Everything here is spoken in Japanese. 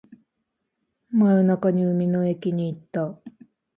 真夜中に海の駅に行った